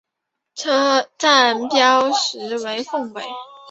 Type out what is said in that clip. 车站标识为凤尾。